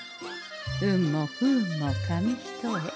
運も不運も紙一重。